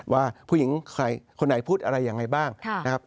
ว่าผู้หญิงคนไหนพูดอะไรยังไงบ้างนะครับ